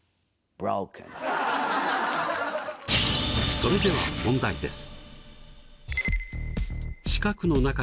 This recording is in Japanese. それでは問題です。